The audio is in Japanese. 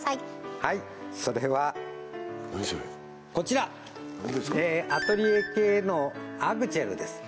はいそれはこちらアトリエケーのアグチェルです